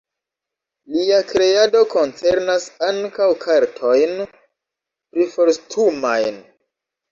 Lia kreado koncernas ankaŭ kartojn priforstumajn.